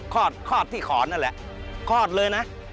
คลอดที่ขอนนั่นแหละคลอดเลยนะ